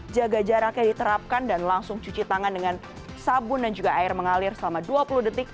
jaga jaraknya diterapkan dan langsung cuci tangan dengan sabun dan juga air mengalir selama dua puluh detik